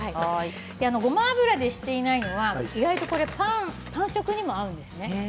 ごま油にしていないのはこれ意外とパン食にも合うんですよね。